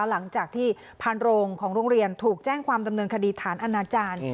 หลังจากที่พานโรงของโรงเรียนถูกแจ้งความดำเนินคดีฐานอนาจารย์